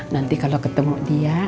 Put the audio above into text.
nanti kalau ketemu dia